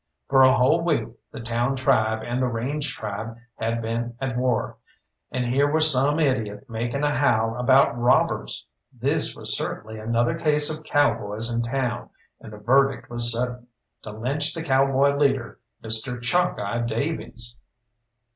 For a whole week the town tribe and the range tribe had been at war, and here was some idiot making a howl about robbers! This was certainly another case of cowboys in town, and the verdict was sudden to lynch the cowboy leader, Mr. Chalkeye Davies.